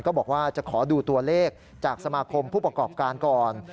ก็บอกว่าจะขอดูตัวเลขจากสมาคมผู้ประกอบการก่อน